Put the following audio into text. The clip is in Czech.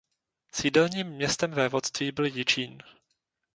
Sídelním městem vévodství byl Jičín.